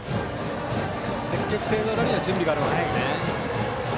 積極性の裏には準備があるわけですね。